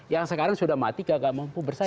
yang sekarang sudah mati kagak mampu bersaing